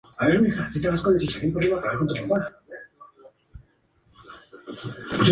Las voces en los demás tracks son las originales.